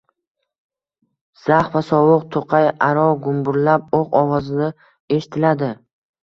Zax va sovuq toʻqay aro gumburlab oʻq ovozi eshitiladi.